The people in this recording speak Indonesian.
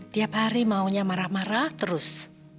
tiap hari maunya marah marah terus